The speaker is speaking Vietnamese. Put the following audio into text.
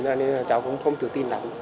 ở mức trung bình là cháu cũng không tự tin lắm